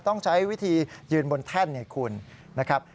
ต้องใช้วิธียืนบนแท่นให้คุณนะครับ